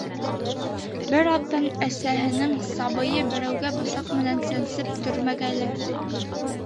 Бер аҙҙан әсәһенең «сабыйы», берәүгә бысаҡ менән сәнсеп, төрмәгә эләкте.